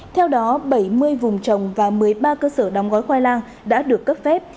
theo đó bảy mươi vùng trồng và một mươi ba cơ sở đóng gói khoai lang đã được cấp phép